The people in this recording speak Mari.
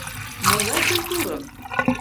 — Могай культурым!